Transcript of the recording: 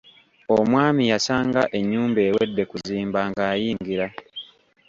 Omwami yasanga ennyumba ewedde kuzimba ng'ayingira.